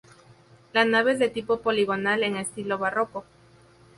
La nave es de tipo poligonal en estilo barroco.